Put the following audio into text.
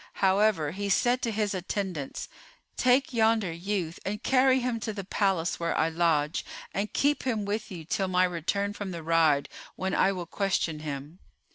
However, he said to his attendants, "Take yonder youth and carry him to the palace where I lodge, and keep him with you till my return from the ride when I will question him."